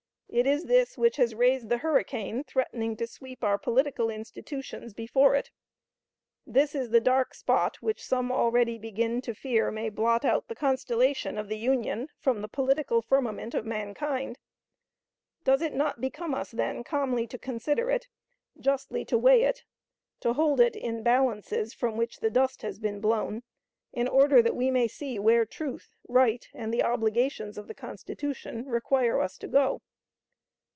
It is this which has raised the hurricane threatening to sweep our political institutions before it. This is the dark spot which some already begin to fear may blot out the constellation of the Union from the political firmament of mankind. Does it not become us, then, calmly to consider it, justly to weigh it; to hold it in balances from which the dust has been blown, in order that we may see where truth, right, and the obligations of the Constitution require us to go?